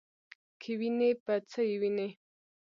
کې وینې په څه یې وینې ؟